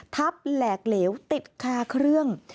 แหลกเหลวติดคาเครื่อง